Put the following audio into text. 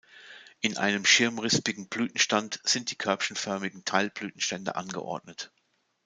In einem schirmrispigen Blütenstand sind die körbchenförmigen Teilblütenstände angeordnet.